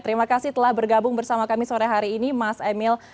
terima kasih telah bergabung bersama kami sore hari ini mas emil